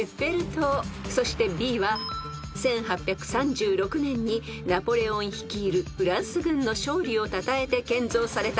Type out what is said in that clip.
［そしてＢは１８３６年にナポレオン率いるフランス軍の勝利をたたえて建造された］